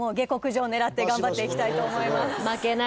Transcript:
頑張っていきたいと思います。